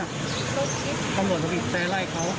ครับ